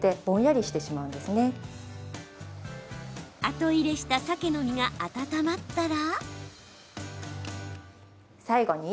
後入れしたサケの身が温まったら。